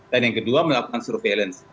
dan yang kedua melakukan surveillance